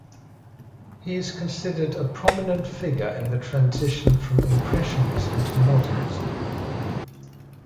He is considered a prominent figure in the transition from Impressionism to Modernism.